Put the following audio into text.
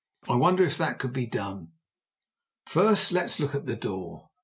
I wonder if that could be done." "First, let's look at the door."